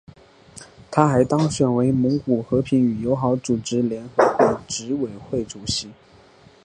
他还当选为蒙古和平与友好组织联合会执委会主席。